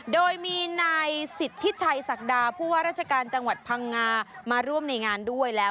โดยมีนายสิทธิชัยศักดาผู้ว่าราชการจังหวัดพังงามาร่วมในงานด้วยแล้ว